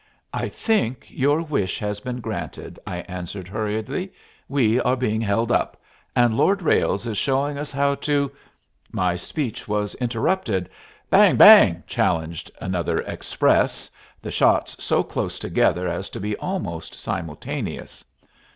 "I think your wish has been granted," I answered hurriedly. "We are being held up, and Lord Ralles is showing us how to " My speech was interrupted. "Bang! bang!" challenged another "express," the shots so close together as to be almost simultaneous.